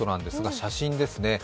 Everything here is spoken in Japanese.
写真ですね。